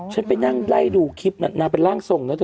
ฉันไปนั่งไล่ดูคลิปน่ะนางเป็นร่างทรงนะเธอ